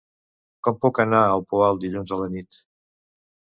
Com puc anar al Poal dilluns a la nit?